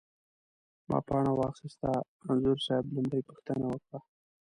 ما پاڼه واخسته، انځور صاحب لومړۍ پوښتنه وکړه.